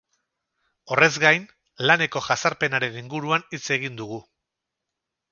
Horrez gain, laneko jazarpenaren inguruan hitz egin dugu.